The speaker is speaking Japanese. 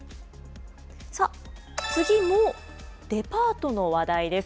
次もデパートの話題です。